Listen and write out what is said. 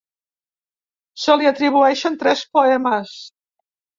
Se li atribueixen tres poemes.